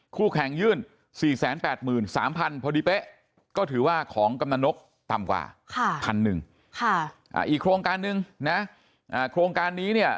คู่แข่งยื่น๔๘๓๐๐พอดีเป๊ะก็ถือว่าของกำนันนกต่ำกว่า๑๐๐อีกโครงการนึงนะโครงการนี้เนี่ย